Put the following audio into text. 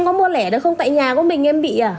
có mua lẻ được không tại nhà của mình em bị à